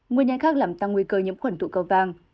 nguyên nhân khác làm tăng nguy cơ nhiễm khuẩn tụ cầu vàng